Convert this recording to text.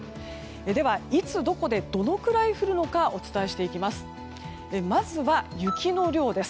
では、いつどこでどのくらい降るのかお伝えしていきます。